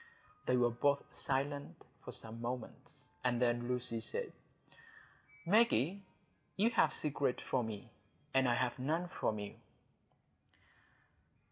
They were both silent for some moments, and then Lucy said,— "Maggie, you have secrets from me, and I have none from you."